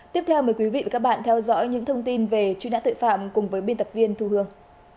tiếp theo mời quý vị và các bạn theo dõi những thông tin về truy nã tội phạm cùng với biên tập viên thu hương